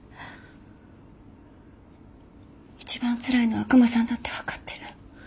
一番つらいのはクマさんだって分かってる。